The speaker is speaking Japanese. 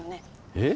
えっ？